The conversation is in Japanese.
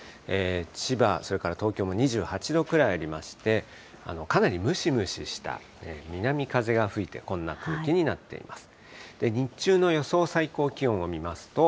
千葉、それから東京も２８度くらいありまして、かなりムシムシした南風が吹いて、こんな空気になっています。